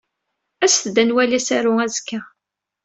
Aset-d ad nwali asaru azekka.